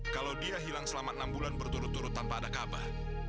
kalau dia hilang selama enam bulan berturut turut tanpa ada kabah